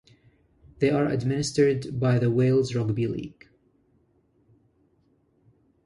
They are administered by the Wales Rugby League.